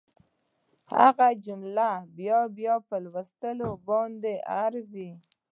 دغه جمله په بیا بیا لوستلو باندې ارزي